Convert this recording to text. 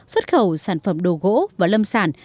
xuất khẩu sản phẩm đồ gỗ và lâm sản